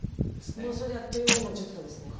もうそれであっという間に１０分ですね。